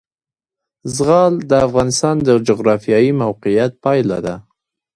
زغال د افغانستان د جغرافیایي موقیعت پایله ده.